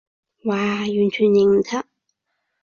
嘩，完全認唔出